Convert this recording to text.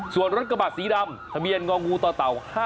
ส่วนรถกระบาดสีดำทะเบียนงตต๕๔๗๖